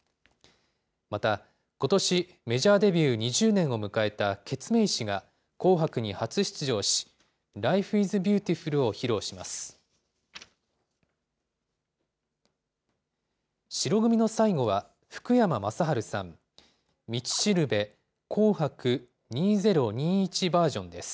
またことし、メジャーデビュー２０年を迎えたケツメイシが紅白に初出場し、ライフイズビューティフルを披露します。